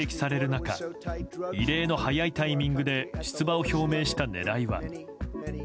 中異例の早いタイミングで出馬を表明した狙いは。